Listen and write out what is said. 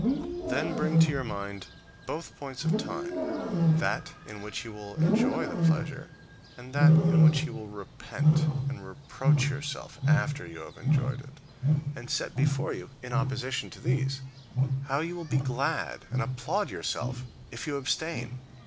Then bring to your mind both points of time: that in which you will enjoy the pleasure, and that in which you will repent and reproach yourself after you have enjoyed it; and set before you, in opposition to these, how you will be glad and applaud yourself if you abstain.